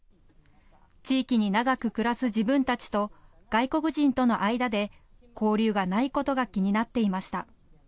地域に長く暮らす自分たちと外国人との間で交流がないことが気になっていました。